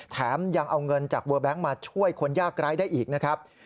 แถมยังเอาเงินจากเวอร์แบงค์มาช่วยคนยากร้ายได้อีกนะครับ